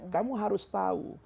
kamu harus tahu